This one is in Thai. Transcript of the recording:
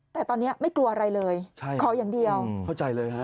แต่ตอนนี้ไม่กลัวอะไรเลยขออย่างเดียวเข้าใจเลยฮะ